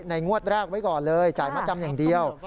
งวดแรกไว้ก่อนเลยจ่ายมัดจำอย่างเดียว